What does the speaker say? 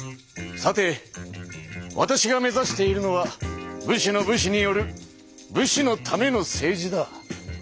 さてわたしが目ざしているのは武士の武士による武士のための政治だ。